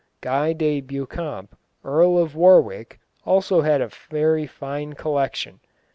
Guy de Beauchamp, Earl of Warwick, also had a very fine collection.